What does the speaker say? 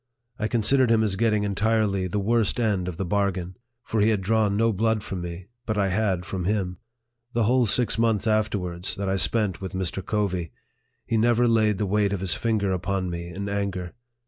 I considered him as getting en tirely the worst end of the bargain ; for he had drawn no blood from me, but I had from him. The whole six months afterwards, that I spent with Mr. Covey, he never laid the weight of his finger upon me in anger.